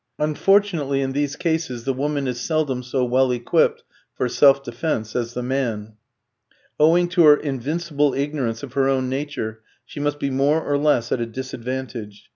Unfortunately, in these cases the woman is seldom so well equipped for self defence as the man. Owing to her invincible ignorance of her own nature, she must be more or less at a disadvantage.